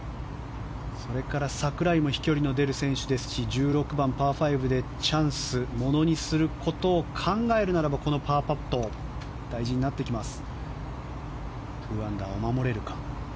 それから、櫻井も飛距離の出る選手ですし１６番、パー５でチャンスをものにすることを考えるならこのパーパットは大事になってきます。